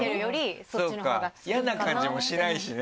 そうか嫌な感じもしないしね。